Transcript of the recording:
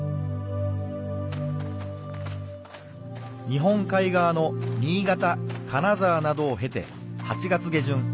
日本海がわの新潟金沢などをへて８月下じゅん